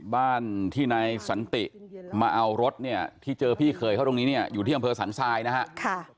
บ้านที่นายสันติมาเอารถเนี่ยที่เจอพี่เขยเขาตรงนี้เนี่ยอยู่ที่อำเภอสันทรายนะฮะ